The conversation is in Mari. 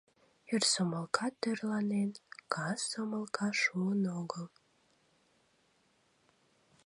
Эр сомылка тӧрланен, кас сомылка шуын огыл.